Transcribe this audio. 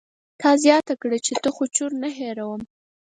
تا زياته کړه چې ته خو چور نه هېروم.